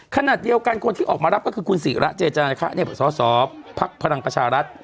ขณะเดียวกันคนที่ออกมารับก็คือคุณศิระเจจานคะสอสอภักดิ์พลังประชารัฐ